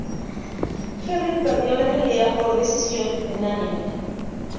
Herring perdió la pelea por decisión unánime.